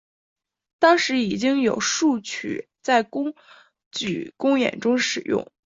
当时已经有数首歌曲在剧场公演中使用。